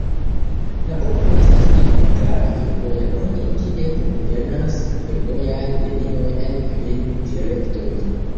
La urbo estas iom grava fervoja nodo, kie kunvenas fervojaj linioj el kvin direktoj.